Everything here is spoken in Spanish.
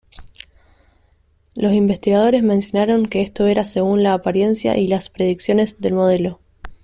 Los investigadores mencionaron que esto era según la apariencia y las predicciones del modelo.